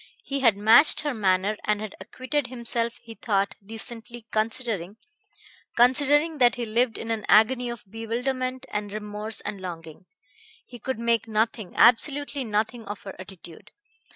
He had matched her manner and had acquitted himself, he thought, decently, considering ... considering that he lived in an agony of bewilderment and remorse and longing. He could make nothing, absolutely nothing, of her attitude.